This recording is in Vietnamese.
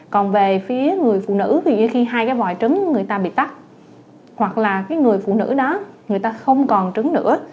còn về phía người phụ nữ thì khi hai cái hoại trứng người ta bị tắt hoặc là cái người phụ nữ đó người ta không còn trứng nữa